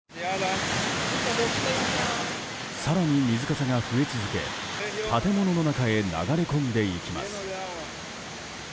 更に水かさが増え続け建物の中へ流れ込んでいきます。